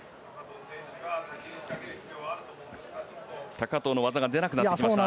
高藤の技が出なくなってきました。